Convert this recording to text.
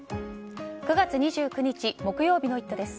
９月２９日木曜日の「イット！」です。